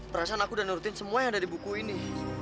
perasaan aku dan nurutin semua yang ada di buku ini